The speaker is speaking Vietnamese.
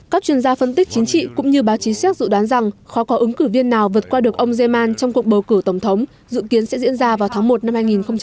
các chuyên gia phân tích chính trị cũng như báo chí séc dự đoán rằng khó có ứng cử viên nào vượt qua được ông zeman trong cuộc bầu cử tổng thống dự kiến sẽ diễn ra vào tháng một năm hai nghìn hai mươi